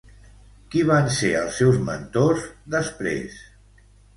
Qui van ser els seus mentors, després?